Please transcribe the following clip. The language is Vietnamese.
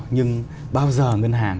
nhưng bao giờ ngân hàng